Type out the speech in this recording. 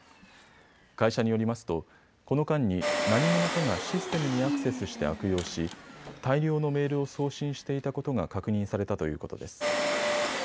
会社によりますとこの間に何者かがシステムにアクセスして悪用し大量のメールを送信していたことが確認されたということです。